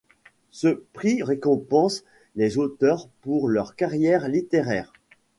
Ce prix récompense les auteurs pour leur carrière littéraire.